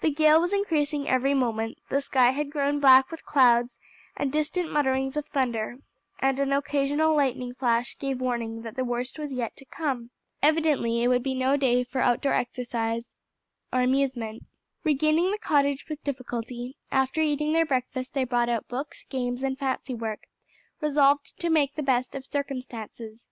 The gale was increasing every moment, the sky had grown black with clouds and distant mutterings of thunder, and an occasional lightning flash gave warning that the worst was yet to come. Evidently it would be no day for outdoor exercise or amusement. Regaining the cottage with difficulty, after eating their breakfast they brought out books, games and fancy work, resolved to make the best of circumstances.